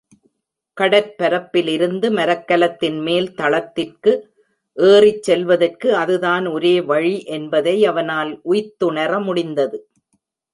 கடற்பரப்பிலிருந்து மரக்கலத்தின் மேல்தளத்திற்கு ஏறிச் செல்வதற்கு அதுதான் ஒரே வழி என்பதை அவனால் உய்த்துணர முடிந்தது.